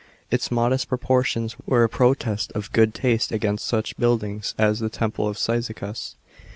Its modest proportion* were a protest of good taste against such buildings as the temple of Cyzicus.